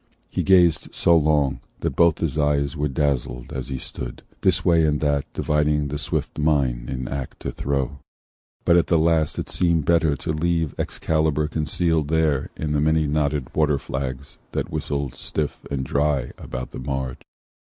He gazed so long That both his eyes were dazzled as he stood, This way and that dividing the swift mind, In act to throw: but at the last it seemed Better to leave Excalibur concealed There in the many knotted waterflags, That whistled stiff and dry about the marge.